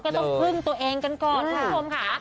ต้องพึ่งตัวเองกันก่อนค่ะ